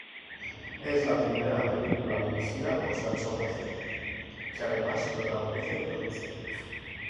Es la primera película dirigida por Sancho Gracia, que además protagoniza y produce.